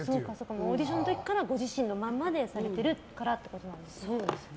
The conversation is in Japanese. オーディションの時からご自身のままでされているからということですね。